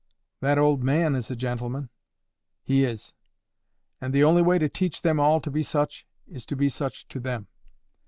"That old man is a gentleman." "He is. And the only way to teach them all to be such, is to be such to them.